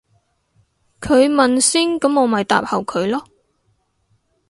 佢問先噉我咪答後佢咯